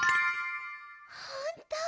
ほんとう